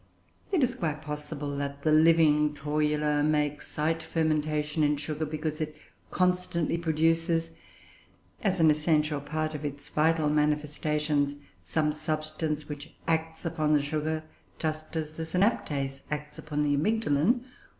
It is quite possible that the living Torula may excite fermentation in sugar, because it constantly produces, as an essential part of its vital manifestations, some substance which acts upon the sugar, just as the synaptase acts upon the amygdalin.